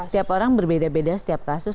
tiap orang berbeda beda setiap kasus